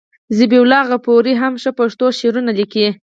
ذبیح الله غفوري هم ښه پښتو شعرونه لیکي.